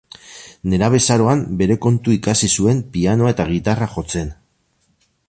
Nerabezaroan bere kontu ikasi zuen pianoa eta gitarra jotzen.